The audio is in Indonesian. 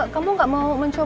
kamu gak mau mencoba